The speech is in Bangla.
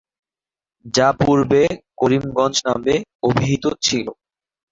যা পূর্বে করিমগঞ্জ নামে অভিহিত ছিল।